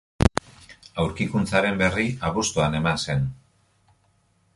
Aurkikuntzaren berri abuztuan eman zen.